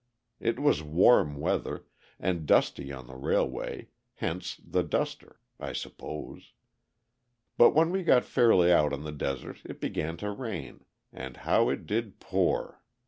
It was warm weather, and dusty on the railway, hence the duster, I suppose. But when we got fairly out on the desert it began to rain, and how it did pour!